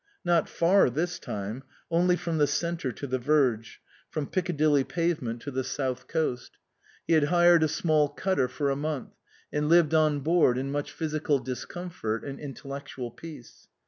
Not far this time ; only from the centre to the verge, from Piccadilly pavement to the 148 OUTWARD BOUND south coast. He had hired a small cutter for a month, and lived on board in much physical discomfort and intellectual peace.